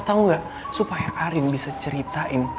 tau gak supaya arin bisa ceritain